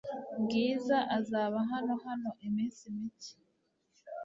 Bwiza azaba hano hano iminsi mike .